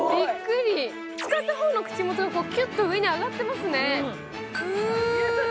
使った方の口元、キュッと上に上がってますね！